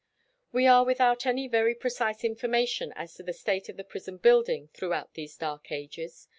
We are without any very precise information as to the state of the prison building throughout these dark ages.